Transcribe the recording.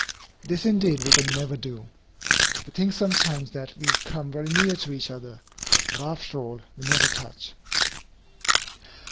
This indeed we can never do. We think sometimes that we come very near to each other. But after all we never touch.